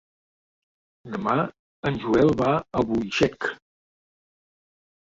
Demà en Joel va a Albuixec.